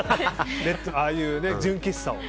ああいう純喫茶を。